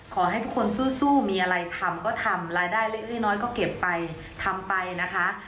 ขอให้ทุกคนสู้มีอะไรทำก็ทำรายได้เล็กน้อยก็เก็บไปทำไปนะคะ